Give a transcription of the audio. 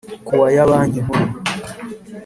Kuwa ya banki nkuru